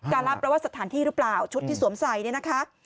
การรับแปลว่าสถานที่หรือเปล่าชุดที่สวมใส่เนี่ยนะคะ